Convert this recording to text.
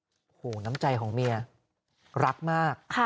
โอ้โหน้ำใจของเมียรักมาก